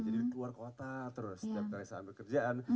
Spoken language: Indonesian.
jadi di luar kota terus setiap kali sambil kerjaan